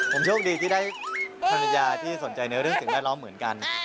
ผมโชคดีที่ได้ภรรยาที่สนใจในเรื่องสิ่งแวดล้อมเหมือนกัน